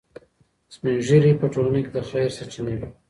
سپین ږیري په ټولنه کې د خیر سرچینه وي.